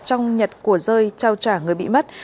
trong nhật của rơi trao trả người bị mất